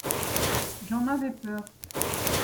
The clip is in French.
J’en avais peur.